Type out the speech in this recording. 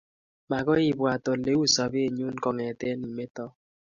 magoi ibwat ole uu sobennyu kongetee imeto